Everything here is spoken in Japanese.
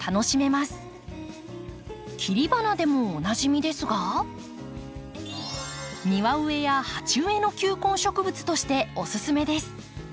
切り花でもおなじみですが庭植えや鉢植えの球根植物としておすすめです。